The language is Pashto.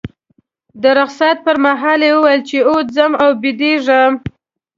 د رخصت پر مهال یې وویل چې اوس ځم او بیدېږم.